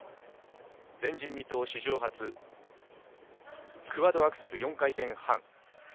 前人未到、史上初クアッドアクセル、４回転半。